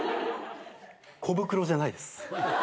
コブクロじゃないです。